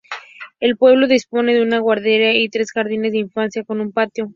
El pueblo dispone de una guardería y tres jardines de infancia con un patio.